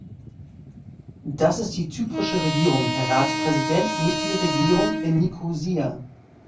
Das ist die zyprische Regierung, Herr Ratspräsident, nicht die Regierung in Nikosia.